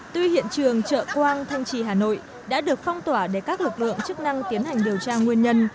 tuy hiện trường trợ quang thanh trì hà nội đã được phong tỏa để các lực lượng chức năng tiến hành điều tra nguyên nhân